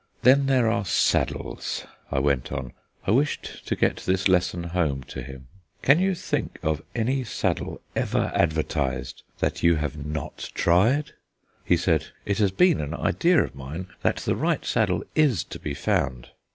Then there are saddles," I went on I wished to get this lesson home to him. "Can you think of any saddle ever advertised that you have not tried?" He said: "It has been an idea of mine that the right saddle is to be found."